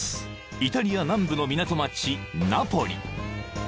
［イタリア南部の港町ナポリ］